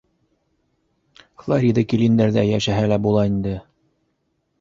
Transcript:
Флорида килендәрҙә йәшәһә лә була инде...